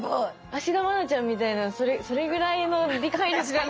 芦田愛菜ちゃんみたいなそれぐらいの理解のしかた。